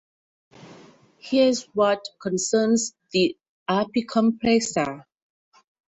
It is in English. Here is what concerns the Apicomplexa.